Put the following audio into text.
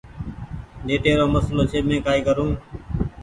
نيٽي رو مسلو ڇي مينٚ ڪآئي ڪرون